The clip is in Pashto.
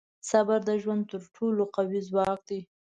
• صبر د ژوند تر ټولو قوي ځواک دی.